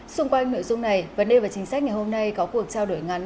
xung quanh nội dung này vấn đề và chính sách ngày hôm nay có cuộc trao đổi ngắn